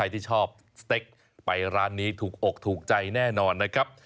ที่ชอบสเต็กไปร้านนี้ถูกอกถูกใจแน่นอนนะครับ